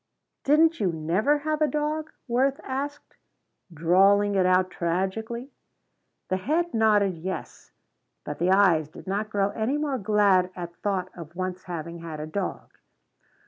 "Didn't you never have a dog?" Worth asked, drawling it out tragically. The head nodded yes, but the eyes did not grow any more glad at thought of once having had a dog.